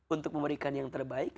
untuk memberikan yang terbaik